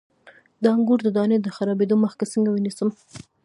د انګورو د دانې د خرابیدو مخه څنګه ونیسم؟